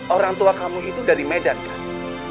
orang tua kamu itu dari medan kan